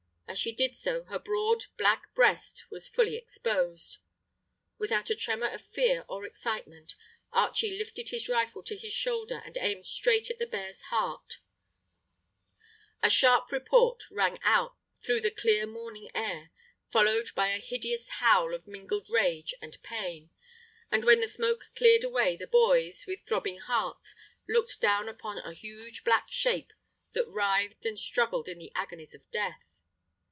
As she did so her broad, black breast was fully exposed. Without a tremor of fear or excitement Archie lifted his rifle to his shoulder and aimed straight at the bear's heart; a sharp report rang out through the clear morning air, followed close by a hideous howl of mingled rage and pain; and when the smoke cleared away the boys, with throbbing hearts, looked down upon a huge black shape that writhed and struggled in the agonies of death.